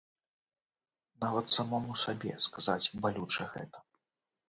Нават самому сабе сказаць балюча гэта.